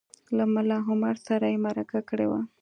له ملا عمر سره یې مرکه کړې وه